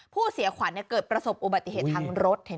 ผู้เสียขวัญเนี่ยเกิดประสบอุบัติเหตุทั้งรถ